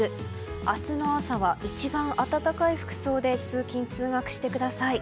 明日の朝は一番暖かい服装で通勤・通学してください。